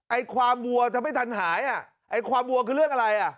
ไอ้ความวัวจะไม่ทันหายอ่ะไอ้ความวัวคือเรื่องอะไรอ่ะ